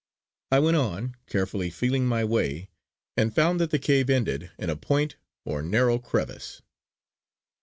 I went on, carefully feeling my way, and found that the cave ended in a point or narrow crevice.